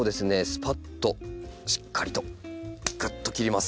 スパッとしっかりとぐっと切ります。